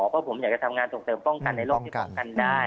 เพราะผมอยากจะทำงานส่งเสริมป้องกันในโลกที่ป้องกันได้